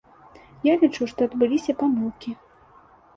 Я лічу, што адбыліся памылкі.